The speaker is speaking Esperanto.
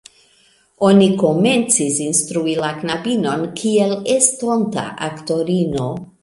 Oni komencis instrui la knabinon kiel estonta aktorino.